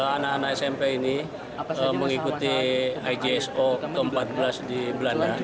anak anak smp ini mengikuti ijso ke empat belas di belanda